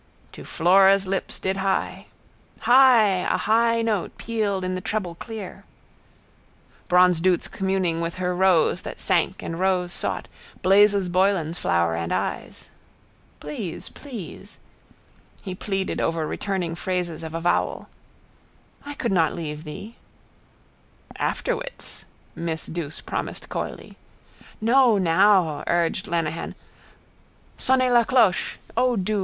—... to Flora's lips did hie. High, a high note pealed in the treble clear. Bronzedouce communing with her rose that sank and rose sought Blazes Boylan's flower and eyes. —Please, please. He pleaded over returning phrases of avowal. —I could not leave thee... —Afterwits, miss Douce promised coyly. —No, now, urged Lenehan. Sonnez la cloche! O do!